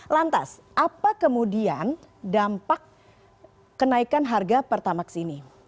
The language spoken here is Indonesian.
lantas apa kemudian dampak kenaikan harga pertamax ini